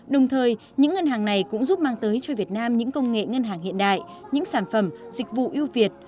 đồng thời những ngân hàng này cũng giúp mang tới cho việt nam những công nghệ ngân hàng hiện đại những sản phẩm dịch vụ ưu việt